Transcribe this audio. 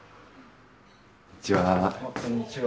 こんにちは。